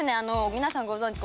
皆さんご存じ